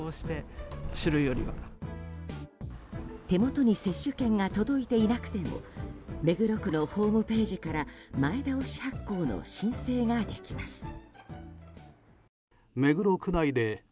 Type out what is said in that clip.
手元に接種券が届いていなくても目黒区のホームページから前倒し発行の申請ができます。